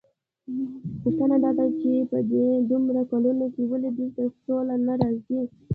پوښتنه داده چې په دې دومره کلونو کې ولې دلته سوله نه راځي؟